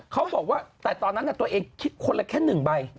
เขาบอกว่าแต่ตอนนั้นตัวเองคิดคนละแค่๑ใบ